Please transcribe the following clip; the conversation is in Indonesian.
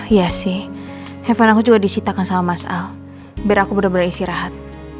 iya sih handphone aku juga disitakan sama mas al biar aku boleh boleh istirahat